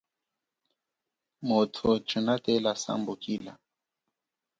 Muthu tshinatela sambukila.